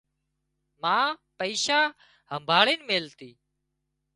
ما پئيشا همڀاۯينَ ميليتي